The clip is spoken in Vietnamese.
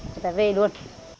người ta về luôn